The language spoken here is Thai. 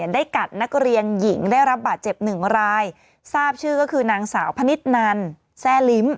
ได้กัดนักเรียนหญิงได้รับบาดเจ็บหนึ่งรายทราบชื่อก็คือนางสาวพนิษฐนันแซ่ลิ้ม